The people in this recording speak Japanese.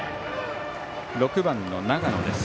６番の永野です。